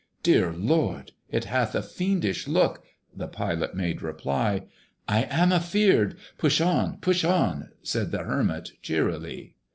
"Dear Lord! it hath a fiendish look (The Pilot made reply) I am a feared" "Push on, push on!" Said the Hermit cheerily.